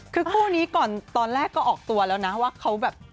คือคู่นี้ก่อนตอนแรกก็ออกตัวแล้วนะว่าเขาแบบ